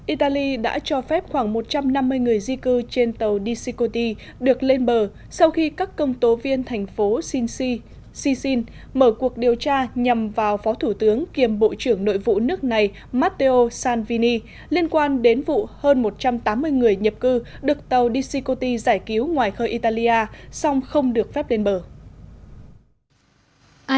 italy đã cho phép khoảng một trăm năm mươi người di cư trên tàu dicicoti được lên bờ sau khi các công tố viên thành phố sissin mở cuộc điều tra nhằm vào phó thủ tướng kiêm bộ trưởng nội vụ nước này matteo salvini liên quan đến vụ hơn một trăm tám mươi người nhập cư được tàu dicicoti giải cứu ngoài khơi italia song không được phép lên bờ